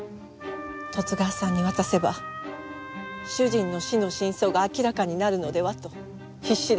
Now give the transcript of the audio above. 十津川さんに渡せば主人の死の真相が明らかになるのではと必死でした。